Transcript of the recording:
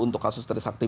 untuk kasus terisakti